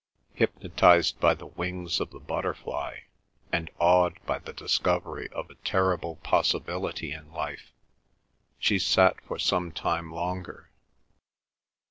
Hypnotised by the wings of the butterfly, and awed by the discovery of a terrible possibility in life, she sat for some time longer.